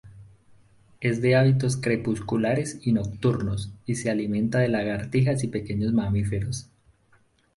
Es de hábitos crepusculares y nocturnos, y se alimenta de lagartijas y pequeños mamíferos.